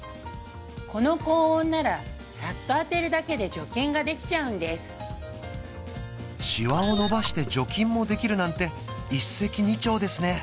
この高温ならさっと当てるだけで除菌ができちゃうんですしわをのばして除菌もできるなんて一石二鳥ですね！